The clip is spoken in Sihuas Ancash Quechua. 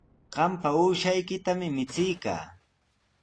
Qampa uushaykitami michiykan.